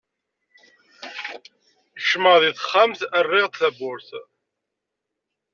Kecmeɣ deg texxamt, rriɣ-d tawwurt.